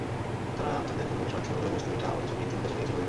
তাঁরা তাঁদের ঘরবাড়ি সরাতে পারলেও বসতভিটা, আবাদি জমি ইতিমধ্যে চলে গেছে নদীতে।